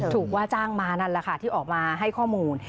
ว่าจ้างมานั่นแหละค่ะที่ออกมาให้ข้อมูล